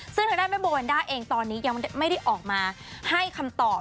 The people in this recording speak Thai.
ซึ่งทางด้านแม่โบวันด้าเองตอนนี้ยังไม่ได้ออกมาให้คำตอบ